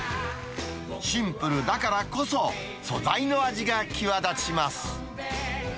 シンプルだからこそ、素材の味が際立ちます。